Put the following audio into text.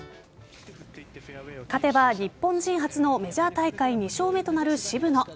勝てば日本人初のメジャー大会２勝目となる渋野。